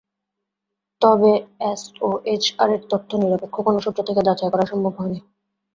তবে এসওএইচআরের তথ্য নিরপেক্ষ কোনো সূত্র থেকে যাচাই করা সম্ভব হয়নি।